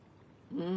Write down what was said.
うん。